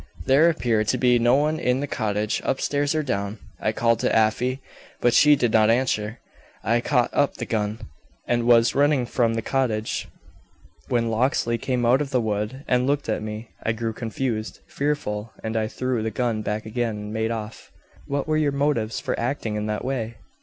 "There appeared to be no one in the cottage, upstairs or down. I called to Afy, but she did not answer. I caught up the gun, and was running from the cottage when Locksley came out of the wood and looked at me. I grew confused, fearful, and I threw the gun back again and made off." "What were your motives for acting in that way?"